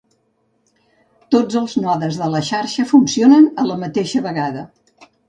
Tots els nodes de la xarxa funcionen a la mateixa vegada.